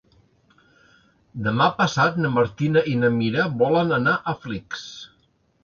Demà passat na Martina i na Mira volen anar a Flix.